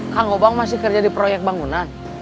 kang obang masih kerja di proyek bangunan